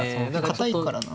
堅いからな。